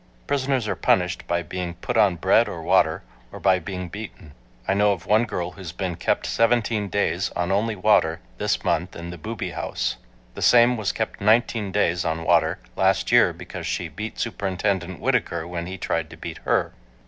Prisoners are punished by being put on bread or water, or by being beaten. I know of one girl who has been kept seventeen days on only water this month in the "booby house." The ,same was kept nineteen days on water last year because she .beat Superintendent Whittaker when he tried to beat her.